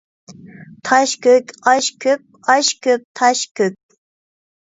تاش كۆك، ئاش كۆپ، ئاش كۆپ، تاش كۆك.